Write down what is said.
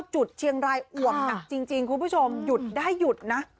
จุดเชียงรายอวบหนักจริงคุณผู้ชมหยุดได้หยุดนะ